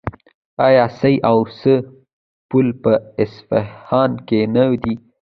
آیا سي او سه پل په اصفهان کې نه دی؟